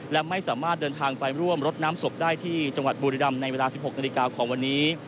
และไม่สามารถเดินทางไปร่วมรดน้ำศพได้ที่จังหวัดบุรีรำในเวลา๑๖นาฬิกาของวันนี้